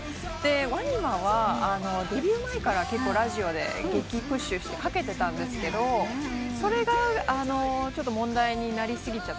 ＷＡＮＩＭＡはデビュー前から結構ラジオで激プッシュしてかけてたんですけどそれが問題になり過ぎちゃって。